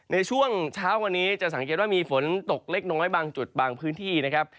ในช่วงเช้าวันนี้จะสังเกตว่ามีฝนตกเล็กน้อยบางจุดบางพื้นที่นะครับ